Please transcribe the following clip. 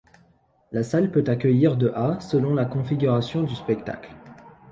La salle peut accueillir de à selon la configuration du spectacle.